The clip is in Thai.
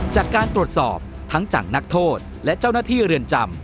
จากการตรวจสอบทั้งจากนักโทษและเจ้าหน้าที่เรือนจำ